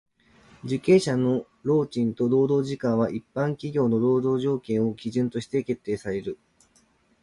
受刑者の労賃と労働時間は一般企業の労働条件を基準として決定される。